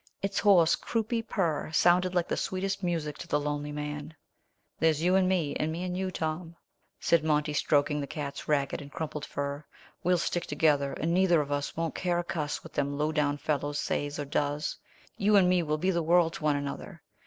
Its hoarse croupy purr sounded like the sweetest music to the lonely man. "There's you and me, and me and you, Tom!" said Monty, stroking the cat's ragged and crumpled fur. "We'll stick together, and neither of us won't care a cuss what them low down fellows says or does. You and me'll be all the world to one another.